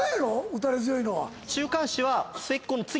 打たれ強いのは。